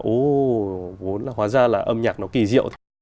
oh hóa ra là âm nhạc nó kỳ diệu